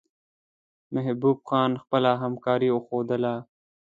محبوب خان خپله همکاري وښودله.